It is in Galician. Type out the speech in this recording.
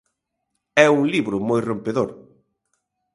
É un libro moi rompedor.